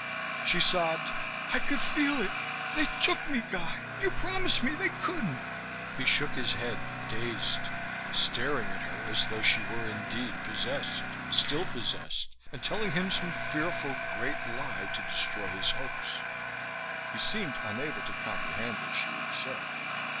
_" She sobbed, "I could feel it! They took me. Guy, you promised me they couldn't!" He shook his head, dazed, staring at her as though she were indeed possessed still possessed, and telling him some fearful great lie to destroy his hopes. He seemed unable to comprehend what she had said.